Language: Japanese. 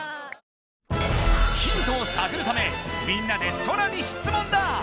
ヒントをさぐるためみんなでソラに質問だ！